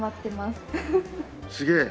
すげえ。